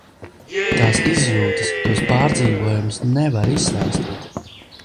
Tās izjūtas, tos pārdzīvojumus nevar izstāstīt.